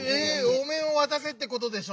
「おめんをわたせ」ってことでしょ？